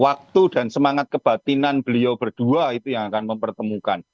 waktu dan semangat kebatinan beliau berdua itu yang akan mempertemukan